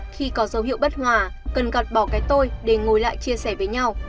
khi có dấu hiệu bất hòa cần gạt bỏ cái tôi để ngồi lại chia sẻ với nhau